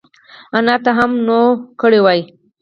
انار ته هم نووګوړه وای